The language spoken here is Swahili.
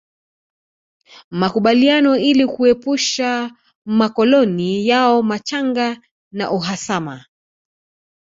Makubaliano ili kuepusha makoloni yao machanga na uhasama